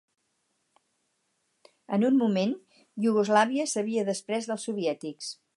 En un moment, Iugoslàvia s'havia desprès dels soviètics.